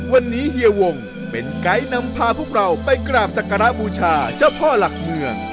วันนี้เฮียวงเป็นไกด์นำพาพวกเราไปกราบสักการะบูชาเจ้าพ่อหลักเมือง